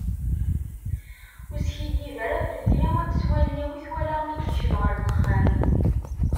Ur skiddib ara felli, s wallen-iw i t-walaɣ mi yekcem ɣer uxxam.